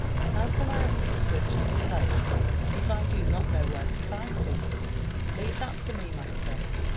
How can I offer to purchase a slave if I do not know where lo find him?" *' Leave that to me, master.